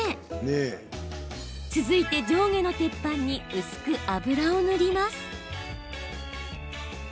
続いて、上下の鉄板に薄く油を塗ります。